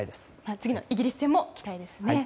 次のイギリス戦も期待ですね。